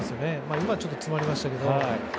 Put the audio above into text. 今のはちょっと詰まりましたけど。